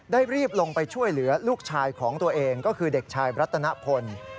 รีบลงไปช่วยเหลือลูกชายของตัวเองก็คือเด็กชายรัตนพล